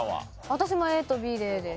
私もＡとＢでＡです。